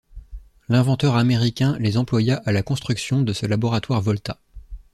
L’inventeur américain les employa à la construction de ce laboratoire Volta.